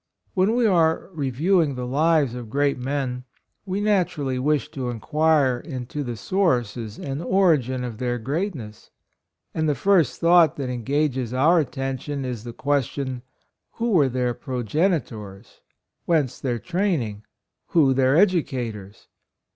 When we are PRINCE DEMETRIUS. 13 reviewing the lives of great men we naturally wish to inquire into the sources and origin of their great ness ; and the first thought that en gages our attention is the question, who were their progenitors, whence their training, who their educators?